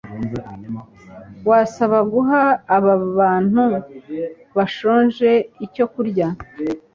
wasaba guha aba bantu bashonje icyo kurya?